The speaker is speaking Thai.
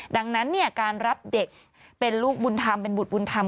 ดังนั้นการรับเด็กเป็นลูกบุญธรรมเป็นบุตรบุญธรรม